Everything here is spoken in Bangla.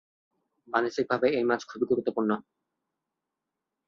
বাণিজ্যিকভাবে এই মাছ খুবই গুরুত্বপূর্ণ।